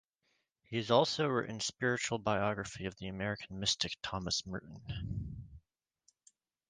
He has also written spiritual biography of the American mystic Thomas Merton.